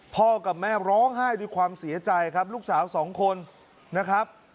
พ่อกับแม่ร้องไห้ด้วยความเสียใจครับลูกสาวสองคนนะครับ